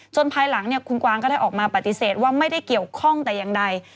ภายหลังคุณกวางก็ได้ออกมาปฏิเสธว่าไม่ได้เกี่ยวข้องแต่อย่างใด